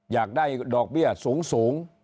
อยากได้ดอกเบี้ยสูง